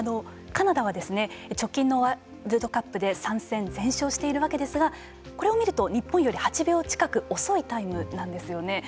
カナダは直近のワールドカップで３戦全勝しているわけですがこれを見ると日本より８秒近く遅いタイムなんですよね。